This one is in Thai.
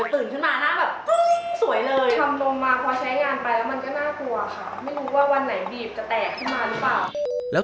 ตื่นขึ้นมาหน้าแบบสวยเลย